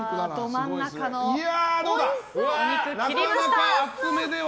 ど真ん中のお肉、切りました。